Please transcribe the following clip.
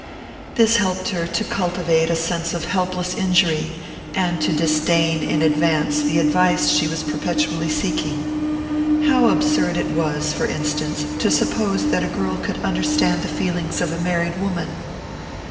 This helped her to cultivate a sense of helpless injury and to disdain in advance the advice she was perpetually seeking. How absurd it was, for instance, to suppose that a girl could understand the feelings of a married woman!